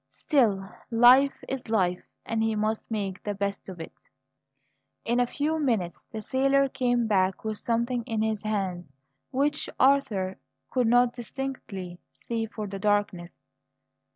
Still, life is life, and he must make the best of it. In a few minutes the sailor came back with something in his hands which Arthur could not distinctly see for the darkness.